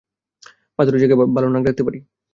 পাথুরে জায়গায় ভালো নাক ডাকতে পারি।